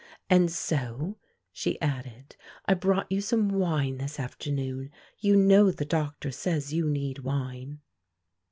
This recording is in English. And so," she added, "I brought you some wine this afternoon; you know the doctor says you need wine."